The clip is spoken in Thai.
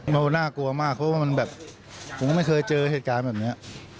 มันน่ากลัวมากเพราะว่ามันแบบผมก็ไม่เคยเจอเหตุการณ์แบบนี้